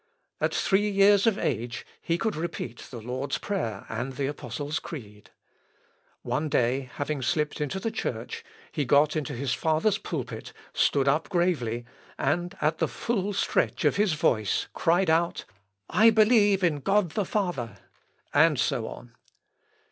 At three years of age he could repeat the Lord's prayer and the apostles' creed. One day having slipt into the church, he got into his father's pulpit, stood up gravely, and at the full stretch of his voice, cried out, "I believe in God the Father," and so on.